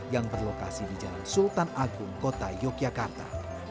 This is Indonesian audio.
yang berlokasi di jalan sultan agung kota yogyakarta